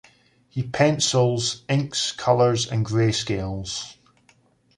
He pencils, inks, colors and greyscales.